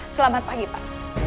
selamat pagi pak